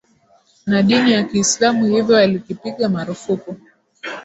na dini ya kiislam hivyo walikipiga marufuku